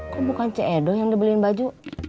kok bukan cedo yang dibeliin baju